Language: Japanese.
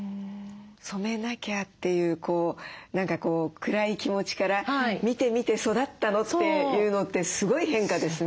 染めなきゃっていう何か暗い気持ちから「見て見て育ったの」っていうのってすごい変化ですね。